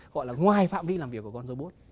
gọi là ngoài phạm vi làm việc của con robot